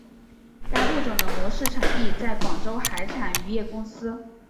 该物种的模式产地在广州海产渔业公司。